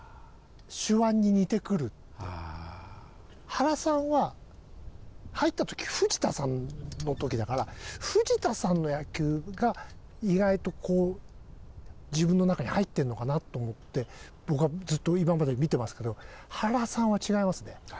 原さんは入った時藤田さんの時だから藤田さんの野球が意外とこう自分の中に入ってるのかなと思って僕はずっと今まで見てますけど。